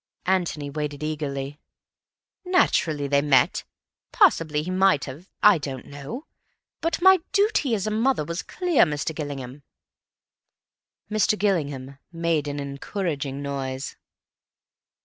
Antony waited eagerly. "Naturally they met. Possibly he might have—I don't know. But my duty as a mother was clear, Mr. Gillingham." Mr. Gillingham made an encouraging noise.